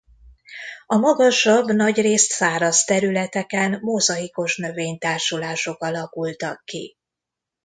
A magasabb nagyrészt száraz területeken mozaikos növénytársulások alakultak ki.